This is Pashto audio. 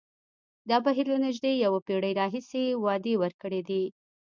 دا بهیر له نژدې یوه پېړۍ راهیسې وعدې ورکړې دي.